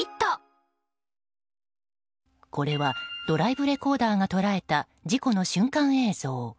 これはドライブレコーダーが捉えた事故の瞬間映像。